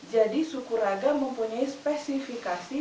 jadi sukuraga mempunyai spesifikasi